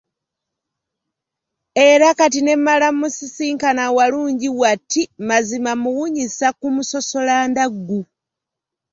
Era kati ne mmala mmusisinkana awalungi wati, mazima mmuwunyisa ku musosolandaggu.